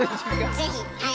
是非はい。